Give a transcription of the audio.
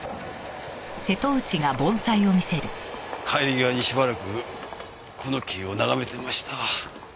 帰り際にしばらくこの木を眺めてましたわ。